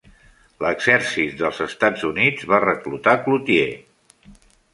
L'exèrcit dels Estats Units va reclutar Cloutier.